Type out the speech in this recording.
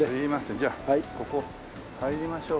じゃあここ入りましょうか。